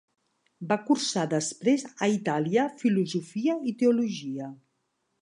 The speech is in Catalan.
Va cursar després a Itàlia filosofia i teologia.